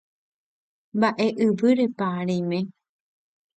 mba'e yvýrepa reime